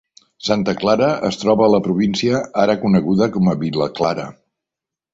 Santa Clara es troba a la província ara coneguda com a Villa Clara.